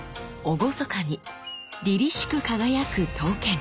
厳かにりりしく輝く刀剣。